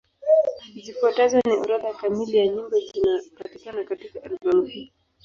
Zifuatazo ni orodha kamili ya nyimbo zinapatikana katika albamu hii.